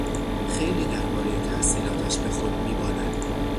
خیلی دربارهی تحصیلاتش به خود میبالد.